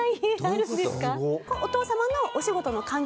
お父様のお仕事の関係で？